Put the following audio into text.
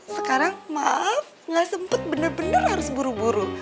sekarang maaf ga sempet bener bener harus buru buru